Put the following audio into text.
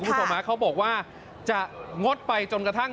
คุณผู้ชมเขาบอกว่าจะงดไปจนกระทั่ง